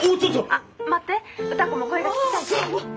☎あっ待って歌子も声が聞きたいって。